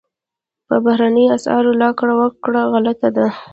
په بهرنیو اسعارو راکړه ورکړه غلطه ده.